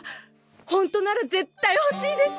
ホントなら絶対ほしいです！